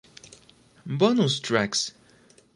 Bonus tracks